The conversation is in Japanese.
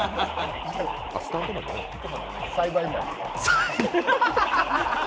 あっ、スタントマンじゃないですか。